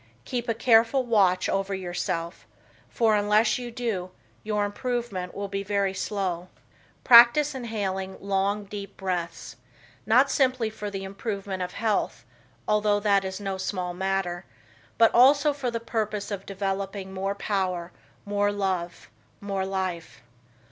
Keep a careful watch over yourself, for unless you do your improvement will be very slow. Practice inhaling long, deep breaths, not simply for the improvement of health, although that is no small matter, but also for the purpose of developing more power, more love, more life.